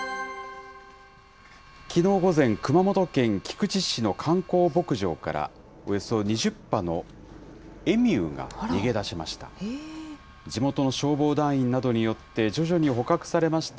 きのう午前、熊本県菊池市の観光牧場から、およそ２０羽のエミューが逃げだしました。